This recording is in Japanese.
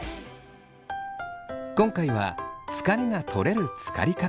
今回は疲れがとれるつかり方に注目。